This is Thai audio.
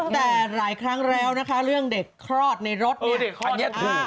แต่หลายครั้งแล้วนะคะเรื่องเด็กคลอดในรถเนี่ย